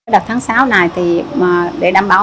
đợt tháng sáu này thì để đảm bảo